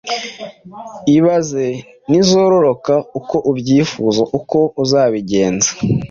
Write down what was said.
ibaze nizororoka uko ubyifuza uko uzabigenza.